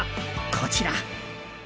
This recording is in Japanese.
こちら！